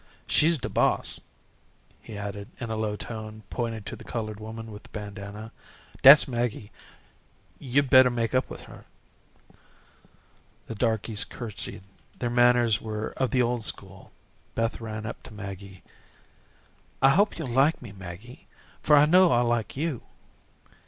She's de boss," he added in a low tone pointing to the colored woman with the bandanna. "Dat's Maggie; yo'd bettah make up with her." [Illustration: Maggie, a typical old time mammy.] The darkies courtesied. Their manners were of the old school. Beth ran up to Maggie. "I hope you'll like me, Maggie, for I know I'll like you."